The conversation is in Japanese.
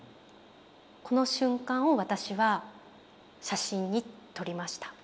この瞬間を私は写真に撮りました。